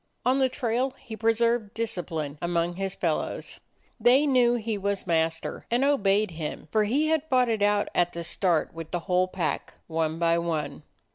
On the trail he pre served discipline among his fellows. They knew he was master and obeyed him, for he had fought it out at the start with the whole pack, one by one.